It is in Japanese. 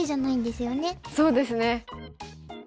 そうですね。